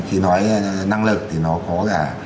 khi nói năng lực thì nó có cả